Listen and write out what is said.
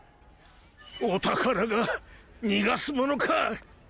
お宝が逃がすものか！